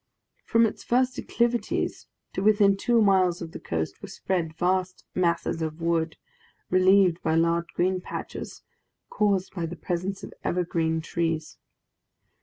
From its first declivities to within two miles of the coast were spread vast masses of wood, relieved by large green patches, caused by the presence of evergreen trees.